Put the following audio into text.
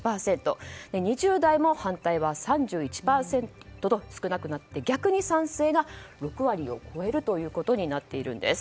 ２０代も反対は３１％と少なくなって逆に賛成が６割を超えるということになっているんです。